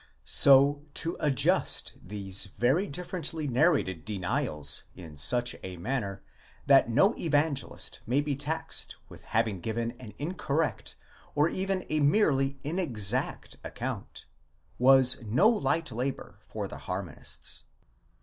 So to adjust these very differently narrated denials in such a manner that no Evangelist may be taxed with having given an incorrect or even a merely inexact account, was no light labour for the harmonists.